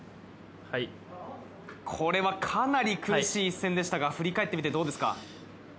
これはかなり苦しい一戦でしたが振り返ってみてどうですか？